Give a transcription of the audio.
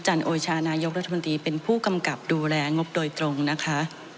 โอชานายกรัฐมนตรีเป็นผู้กำกับดูแลงบโดยตรงนะคะ